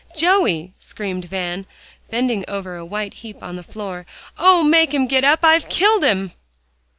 "Joey," screamed Van, bending over a white heap on the floor. "Oh! make him get up. Oh! I've killed him."